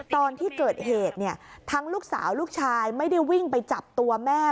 ตอนที่เกิดเหตุเนี่ยทั้งลูกสาวลูกชายไม่ได้วิ่งไปจับตัวแม่